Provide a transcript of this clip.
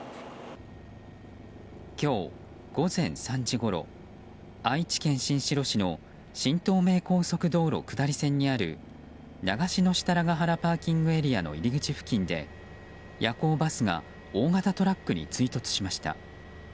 今日午前３時ごろ愛知県新城市の新東名高速道路下り線にある長篠設楽原ＰＡの入り口付近で夜行バスが大型トラックに追突しました。